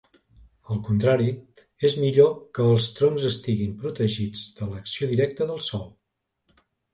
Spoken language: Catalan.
Al contrari, és millor que els troncs estiguin protegits de l'acció directa del sol.